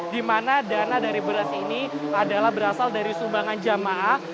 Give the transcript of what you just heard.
di mana dana dari beras ini adalah berasal dari sumbangan jamaah